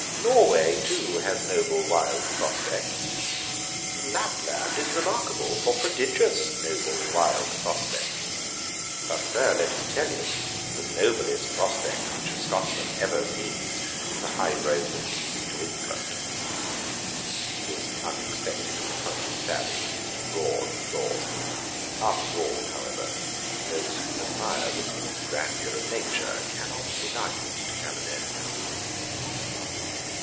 Norway, too, has noble wild prospects; and Lapland is remarkable for prodigious noble wild prospects. But, Sir, let me tell you, the noblest prospect which a Scotchman ever sees, is the high road that leads him to England!' [Page 426: The influence of weather. A.D. 1763.] This unexpected and pointed sally produced a roar of applause. After all, however, those, who admire the rude grandeur of Nature, cannot deny it to Caledonia.